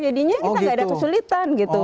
jadinya kita nggak ada kesulitan gitu